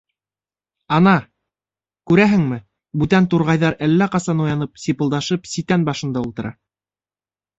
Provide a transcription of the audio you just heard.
Ана, күрәһеңме, бүтән турғайҙар әллә ҡасан уянып, сипылдашып ситән башында ултыра.